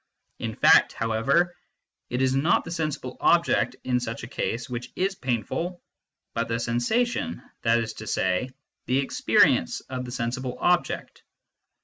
In fact, however, it is not the sensible object in such a case which is painful, but the sensation, that is to say, the experience of the sensible object.